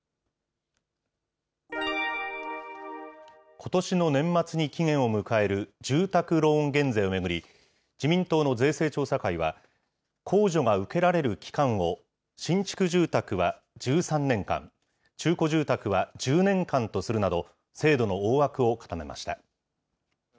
ことしの年末に期限を迎える住宅ローン減税を巡り、自民党の税制調査会は、控除が受けられる期間を、新築住宅は１３年間、中古住宅は１０年間とするなど、制度の大枠を固めました。